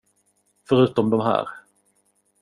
Förutom de här.